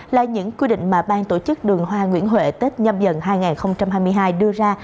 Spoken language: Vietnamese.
là những quy định mà bang tổ chức đường hoa nguyễn huệ tết nhâm dần hai nghìn hai mươi hai đưa ra